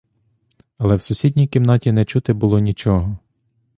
Але в сусідній кімнаті не чути було нічого.